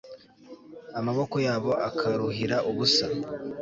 amaboko yabo akaruhira ubusa